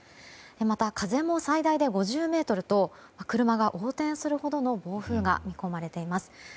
また、風も最大で５０メートルと車が横転するほどの暴風が見込まれています。